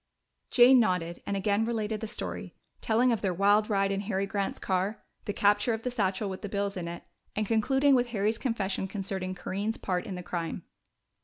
Jane nodded and again related the story, telling of their wild ride in Harry Grant's car, the capture of the satchel with the bills in it, and concluding with Harry's confession concerning Corinne's part in the crime.